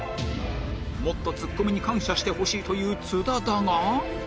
もっとツッコミに感謝してほしいという津田だが